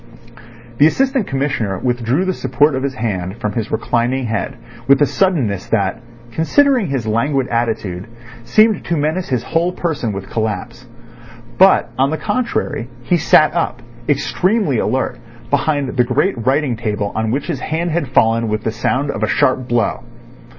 The Assistant Commissioner withdrew the support of his hand from his reclining head with a suddenness that, considering his languid attitude, seemed to menace his whole person with collapse. But, on the contrary, he sat up, extremely alert, behind the great writing table on which his hand had fallen with the sound of a sharp blow.